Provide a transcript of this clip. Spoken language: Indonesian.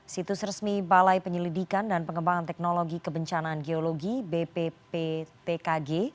situs resmi balai penyelidikan dan pengembangan teknologi kebencanaan geologi bpptkg